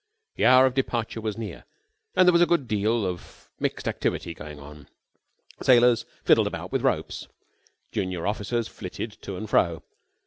The hour of departure was near and there was a good deal of mixed activity going on. Sailors fiddled about with ropes. Junior officers flitted to and fro.